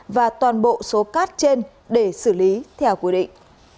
và toàn bộ số cát trên để xử lý theo quy định